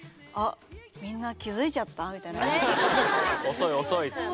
遅い遅いっつって。